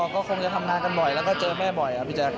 ก็คงจะทำงานกันบ่อยแล้วก็เจอแม่บ่อยครับพี่แจ๊ค